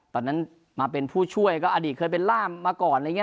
ตอนนั้นมาเป็นผู้ช่วยก็อดีตเคยเป็นล่ามมาก่อน